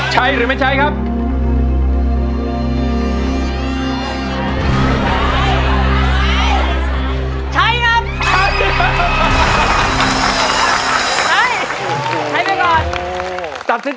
สู้ครับ